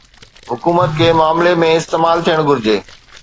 حڪومت کي معاملي ۾ استعمال ٿيڻ گهرجي